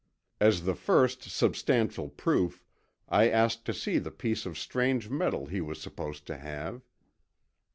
As the first substantial proof, I asked to see the piece of strange metal he was supposed to have.